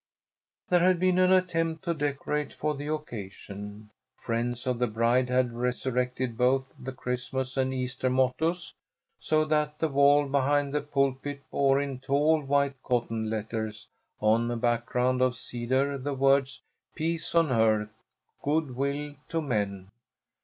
There had been an attempt to decorate for the occasion. Friends of the bride had resurrected both the Christmas and Easter mottoes, so that the wall behind the pulpit bore in tall, white cotton letters, on a background of cedar, the words, "Peace on Earth, Good Will to Men."